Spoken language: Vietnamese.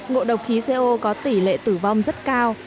ngộ độc khí co có tỷ lệ tử vong rất cao